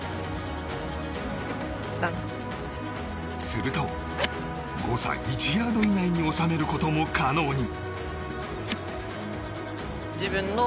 すると、誤差１ヤード以内に収めることも可能に。